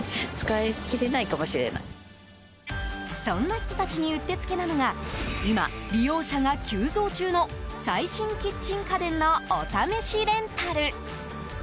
そんな人たちにうってつけなのが今、利用者が急増中の最新キッチン家電のお試しレンタル。